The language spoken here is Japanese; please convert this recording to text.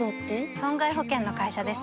損害保険の会社です